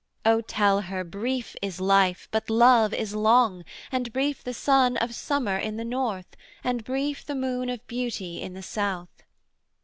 'O tell her, brief is life but love is long, And brief the sun of summer in the North, And brief the moon of beauty in the South.